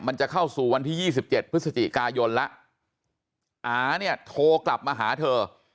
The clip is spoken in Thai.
มันจะเข้าสู่วันที่ยี่สิบเจ็ดพฤศจิกายนแล้วอาเนี่ยโทรกลับมาหาเธอ